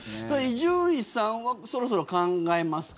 伊集院さんはそろそろ考えますか？